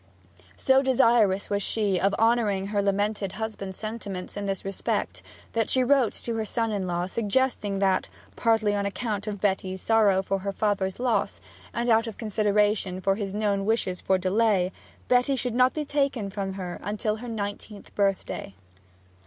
So desirous was she of honouring her lamented husband's sentiments in this respect, that she wrote to her son in law suggesting that, partly on account of Betty's sorrow for her father's loss, and out of consideration for his known wishes for delay, Betty should not be taken from her till her nineteenth birthday.